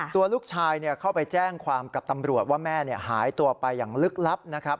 ตัวลูกชายเข้าไปแจ้งความกับตำรวจว่าแม่หายตัวไปอย่างลึกลับนะครับ